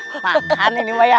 panahan ini mah ya